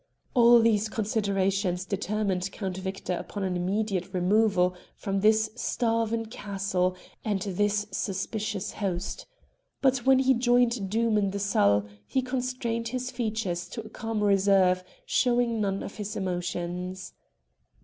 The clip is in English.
All these considerations determined Count Victor upon an immediate removal from this starven castle and this suspicious host. But when he joined Doom in the salle he constrained his features to a calm reserve, showing none of his emotions.